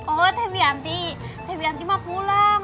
oh teh bianti bianti mah pulang